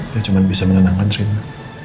dia cuma bisa menenangkan cerita